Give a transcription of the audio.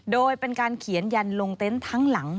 โดยเป็นการเขียนยันลงเต็นต์ทั้งหลัง